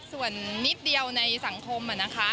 ส่วนนิดเดียวในสังคมนะคะ